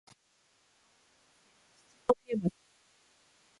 青森県七戸町